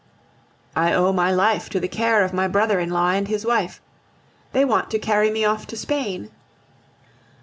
I owe my life to the care of my brother in law and his wife; they want to carry me off to Spain!